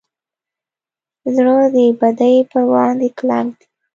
زړه د بدۍ پر وړاندې کلک دی.